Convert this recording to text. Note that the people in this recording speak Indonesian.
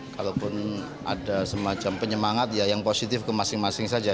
kalaupun ada semacam penyemangat ya yang positif ke masing masing saja